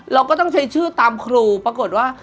เราก็ต้องใช้ชื่อตามครูปรากฏว่า